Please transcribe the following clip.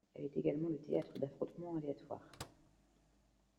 Elle est également le théâtre d'affrontements aléatoires.